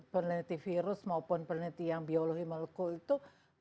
peneliti virus maupun peneliti yang biologi melukul itu